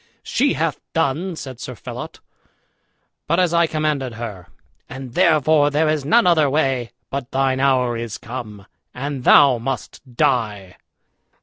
"She hath done," said Sir Phelot, "but as I commanded her; and therefore there is none other way but thine hour is come, and thou must die."